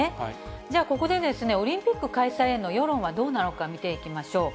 じゃあ、ここで、オリンピック開催への世論はどうなのか、見ていきましょう。